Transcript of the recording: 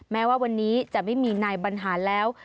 แม้ว่าวันนี้จะไม่มีนายบรรหารแล้ว